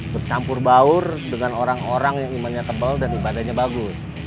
bercampur baur dengan orang orang yang imannya tebal dan ibadahnya bagus